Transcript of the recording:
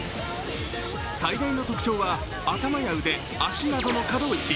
最大の特徴は、頭や腕、足などの可動域。